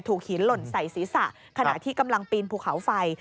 หินหล่นใส่ศีรษะขณะที่กำลังปีนภูเขาไฟ